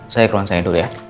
saya keluarin saya dulu ya